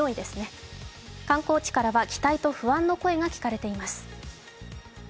観光地からは期待と不安の声が聞かれています。